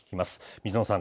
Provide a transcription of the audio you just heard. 水野さん。